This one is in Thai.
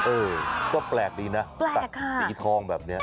เออก็แปลกดีนะสัตว์สีทองแบบนี้